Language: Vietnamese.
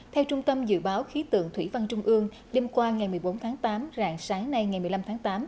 theo trung tâm dự báo khí tượng thủy văn trung ương đêm qua ngày một mươi bốn tháng tám rạng sáng nay ngày một mươi năm tháng tám